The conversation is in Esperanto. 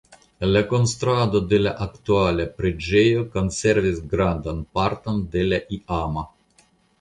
La konstruado de la aktuala preĝejo konservis grandan parton de la iama.